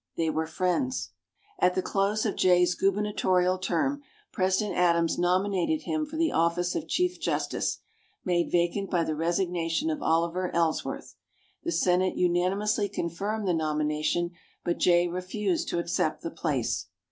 They were friends. At the close of Jay's gubernatorial term, President Adams nominated him for the office of Chief Justice, made vacant by the resignation of Oliver Ellsworth. The Senate unanimously confirmed the nomination, but Jay refused to accept the place.